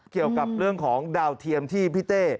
เกี่ยวกับเรื่องของดาวเทียมที่พี่เต้